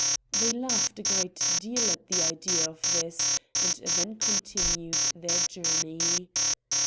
They laughed a great deal at the idea of this, and then continued their journey.